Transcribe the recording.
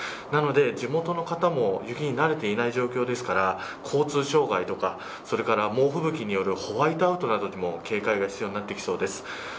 なので、地元の方も雪に慣れてない状況ですから交通障害とか猛吹雪によるホワイトアウトなどにも警戒が必要になってきそうです。